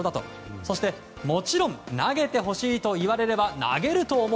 そして、もちろん投げてほしいと言われれば投げると思う。